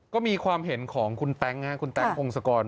ก็มีความเห็นของคุณแต๊งคุณแต๊งพงศกร